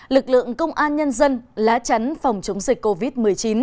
lực lượng công an nhân dân lá chắn phòng chống dịch covid một mươi chín